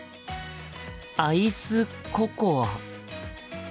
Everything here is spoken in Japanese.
アイスココア。